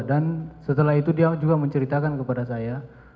dan setelah itu dia juga menceritakan kepada saya